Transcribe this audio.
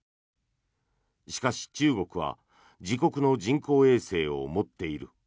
しかし、中国は自国の人工衛星を持っている。